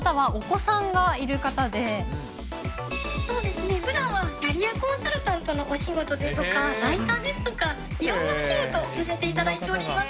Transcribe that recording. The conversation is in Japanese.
そうですね、ふだんはキャリアコンサルタントのお仕事ですとか、ライターですとか、いろんなお仕事させていただいております。